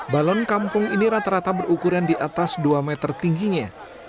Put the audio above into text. balon kampung ini rata rata berukuran di atas dua meter tingginya